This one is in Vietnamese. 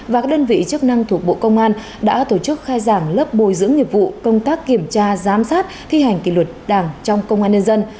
và các đơn vị chức năng thuộc bộ công an đã tổ chức khai giảng lớp bồi dưỡng nghiệp vụ công tác kiểm tra giám sát thi hành kỷ luật đảng trong công an nhân dân